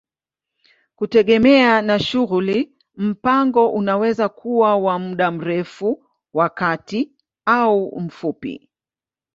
Kutegemea na shughuli, mpango unaweza kuwa wa muda mrefu, wa kati au mfupi.